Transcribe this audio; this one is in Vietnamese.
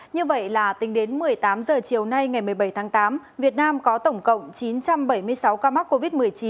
như vậy là tính đến một mươi tám h chiều nay ngày một mươi bảy tháng tám việt nam có tổng cộng chín trăm bảy mươi sáu ca mắc covid một mươi chín